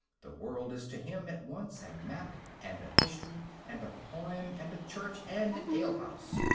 The world is to him at once a map and a history and a poem and a church and an ale house.